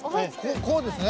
こうですね！